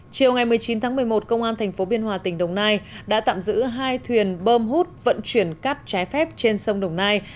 chiều ngày một mươi chín tháng một mươi một công an tp biên hòa tỉnh đồng nai đã tạm giữ hai thuyền bơm hút vận chuyển cát trái phép trên sông đồng nai